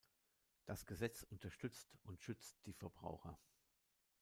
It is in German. Das Gesetz unterstützt und schützt die Verbraucher.